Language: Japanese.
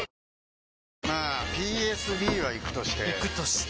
まあＰＳＢはイクとしてイクとして？